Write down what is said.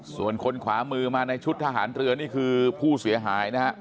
ส่วนคนขวามือมาในชุดทหารเรือนี่คือผู้เสียหายนะฮะ